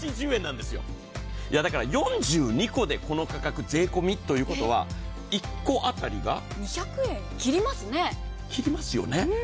４２個でこの価格、税込みということは１個当たりが２００円切りますよね。